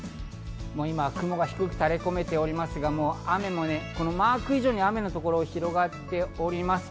雲が低くたれ込めていますが、雨もマーク以上に雨の所が広がっております。